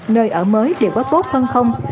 nơi ở mới đều có tốt hơn không